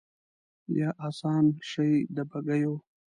یا آسان شي د بګیو